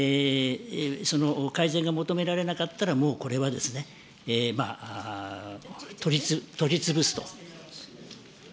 その改善が求められなかったら、もうこれは取りつぶすと。